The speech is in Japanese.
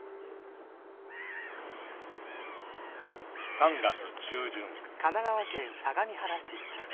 ３月中旬。